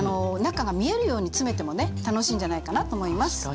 中が見えるように詰めてもね楽しいんじゃないかなと思います。